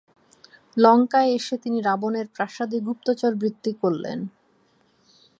লঙ্কায় এসে তিনি রাবণের প্রাসাদে গুপ্তচরবৃত্তি করলেন।